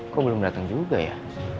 kok belum datang juga ya